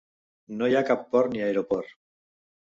No hi ha cap port ni aeroport.